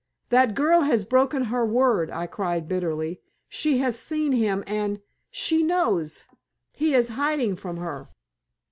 That girl has broken her word," I cried bitterly. "She has seen him and she knows. He is hiding from her!"